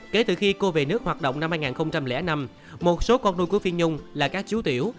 kể từ khi cô về nước hoạt động năm hai nghìn năm một số con nuôi của phi nhung là các chú tiểu